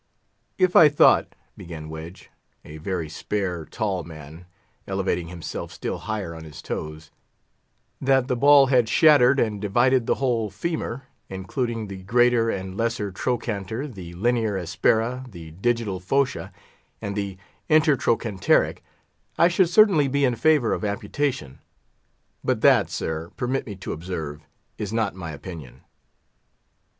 "If I thought," began Wedge, a very spare, tall man, elevating himself still higher on his toes, "that the ball had shattered and divided the whole femur, including the Greater and Lesser Trochanter the Linear aspera the Digital fossa, and the Intertrochanteric, I should certainly be in favour of amputation; but that, sir, permit me to observe, is not my opinion."